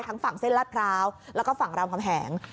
ฝั่งเส้นลาดพร้าวแล้วก็ฝั่งรามคำแหง